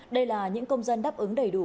đây là những công dân đáp ứng đầy đủ